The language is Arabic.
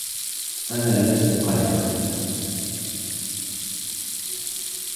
أنا لست قلقاً.